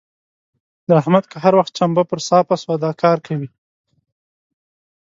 د احمد که هر وخت چمبه پر صافه سوه؛ دا کار کوي.